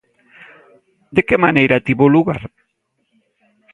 De que maneira tivo lugar?